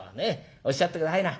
おっしゃって下さいな。